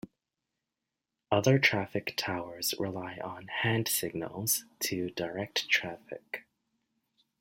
Other traffic towers rely on handsignals to direct traffic.